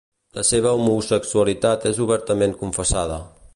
La seva homosexualitat és obertament confessada.